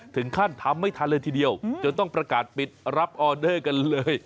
ถึงขั้นทำไม่ทันเลยทีเดียวจนต้องประกาศปิดรับออเดอร์กันเลย